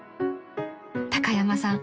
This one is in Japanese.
［高山さん